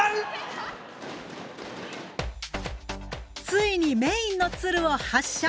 ついにメインの鶴を発射！